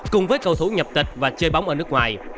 cùng với cầu thủ nhập tịch và chơi bóng ở nước ngoài